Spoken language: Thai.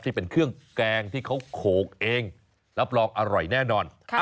ที่เป็นเครื่องแกงที่เขาโขกเองรับรองอร่อยแน่นอน